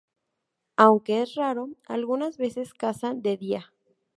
Aunque es raro, algunas veces cazan de día.